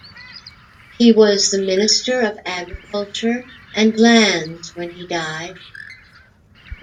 He was the Minister of Agriculture and Lands when he died.